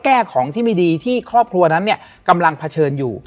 และวันนี้แขกรับเชิญที่จะมาเยี่ยมในรายการสถานีผีดุของเรา